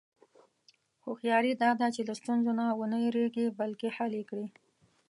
هوښیاري دا ده چې له ستونزو نه و نه وېرېږې، بلکې حل یې کړې.